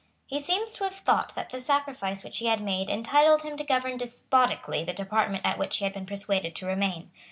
He seems to have thought that the sacrifice which he had made entitled him to govern despotically the department at which he had been persuaded to remain.